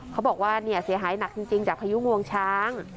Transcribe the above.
เขาบอกว่าเนี่ยเสียหายหนักจริงจริงจากคยุงวงช้าง